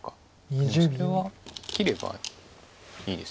でもそれは切ればいいです。